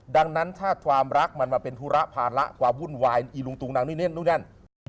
ดังนั้นถ้าความรักมันมาเป็นธุระภาระความวุ่นวายอีลุงตุงนังนี่นู่นนั่น